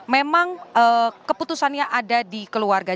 memang keputusannya ada di keluarga